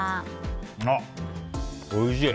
あ、おいしい。